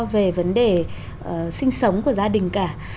về vấn đề sinh sống của gia đình cả